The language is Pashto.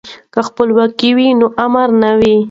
که خپلواکي وي نو امر نه وي.